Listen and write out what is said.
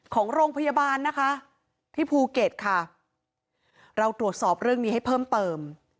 ของโรงพยาบาลนะคะที่ภูเก็ตค่ะเราตรวจสอบเรื่องนี้ให้เพิ่มเติม